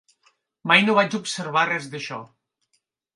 Mai no vaig observar res d'això.